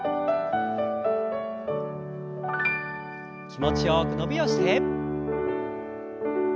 気持ちよく伸びをして。